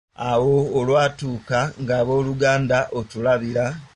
Awo lwatuuka, ab’oluganda ng’otulabira.